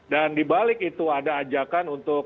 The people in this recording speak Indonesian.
dan di balik itu ada ajakan untuk